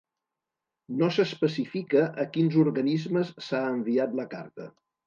No s’especifica a quins organismes s’ha enviat la carta.